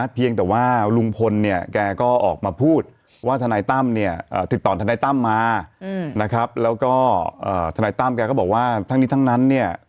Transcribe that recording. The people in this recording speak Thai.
เพียงแต่ว่าลุงพลเนี่ยแกก็ออกมาพูดว่าทนายตั้มเนี่ยติดต่อทนายตั้มมานะครับแล้วก็ทนายตั้มแกก็บอกว่าทั้งนี้ทั้งนั้นเนี่ย